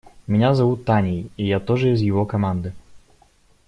Меня зовут Таней, и я тоже из его команды.